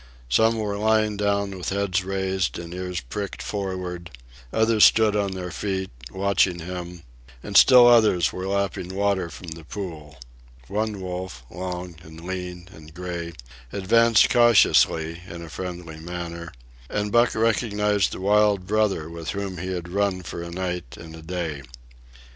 Some were lying down with heads raised and ears pricked forward; others stood on their feet, watching him; and still others were lapping water from the pool. One wolf, long and lean and gray, advanced cautiously, in a friendly manner, and Buck recognized the wild brother with whom he had run for a night and a day.